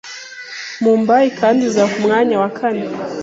Mumbai kandi iza ku mwanya wa kane